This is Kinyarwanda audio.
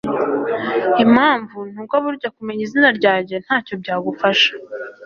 impamvu nuko burya kumenya izina ryanjye ntacyo byagufasha